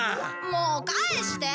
もう返して！